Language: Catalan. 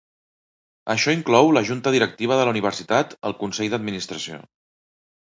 Això inclou la junta directiva de la universitat, el Consell d'administració.